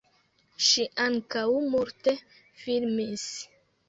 Ŝi ankaŭ multe filmis.